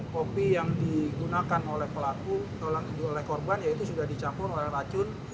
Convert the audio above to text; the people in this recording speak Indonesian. kopi yang digunakan oleh pelaku oleh korban yaitu sudah dicampur oleh racun